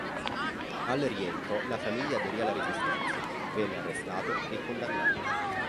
Al rientro la famiglia aderì alla Resistenza: venne arrestato e condannato.